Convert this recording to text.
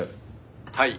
「はい。